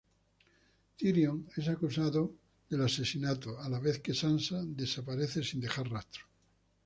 Tyrion es acusado del asesinato a la vez que Sansa desaparece sin rastro.